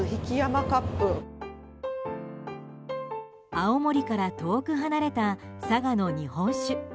青森から遠く離れた佐賀の日本酒。